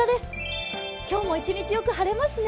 今日も一日よく晴れますね。